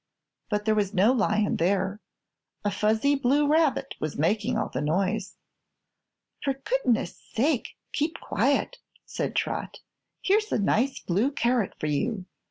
But there was no lion there; a fuzzy blue rabbit was making all the noise. "For goodness sake, keep quiet," said Trot. "Here's a nice blue carrot for you.